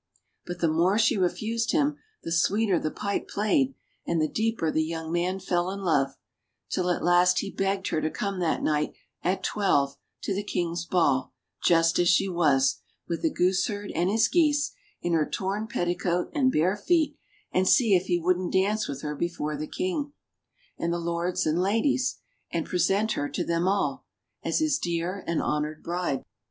But the more she refused him the sweeter the pipe played, and the deeper the young man fell in love ; till at last he begged her to come that night at twelve to the King's ball, just as she was, with the gooseherd and his geese, in her torn petticoat and bare feet, and see if he wouldn't dance with her before the King, and the lords and ladies, and present her to them all, as his dear and honoured bride.